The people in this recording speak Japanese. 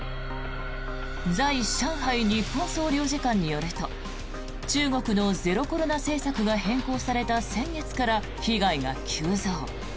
在上海日本総領事館によると中国のゼロコロナ政策が変更された先月から被害が急増。